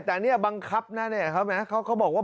แต่เนี่ยบังคับนะเนี่ยเขาบอกว่า